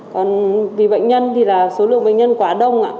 còn vì bệnh nhân thì là số lượng bệnh nhân quá đông ạ